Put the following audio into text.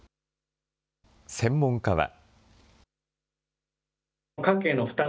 専門家は。